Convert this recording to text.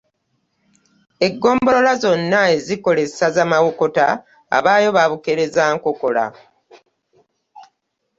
Eggombolola zonna ezikola essaza Mawokota abaayo baabukeerezza nkokola.